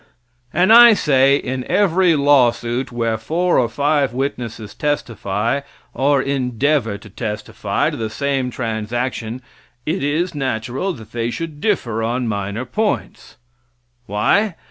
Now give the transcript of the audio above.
And I say in every lawsuit where four or five witnesses testify, or endeavor to testify, to the same transaction, it is natural that they should differ on minor points. Why?